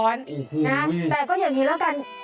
แต่ก็อย่างนี้แล้วกัน